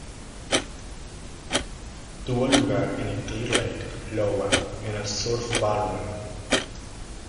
Tuvo lugar en Clear Lake, Iowa, en el Surf Ballroom.